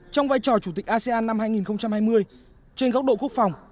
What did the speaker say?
trong vai trò chủ tịch asean năm hai nghìn hai mươi trên góc độ quốc phòng